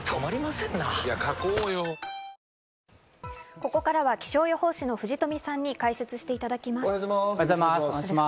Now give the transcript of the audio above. ここからは気象予報士の藤富さんに解説していただきます。